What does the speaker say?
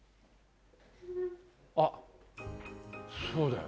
あっそうだよ。